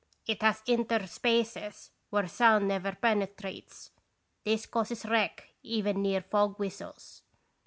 It has inter spaces where sound never penetrates; this causes wreck even near fog whistles.